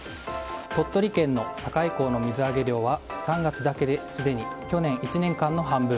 鳥取県の境港の水揚げ量は３月だけですでに去年１年間の半分。